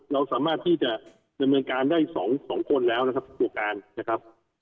เราสามารถที่จะดำเนินการได้๒คนแล้วนะครับผู้การนะครับ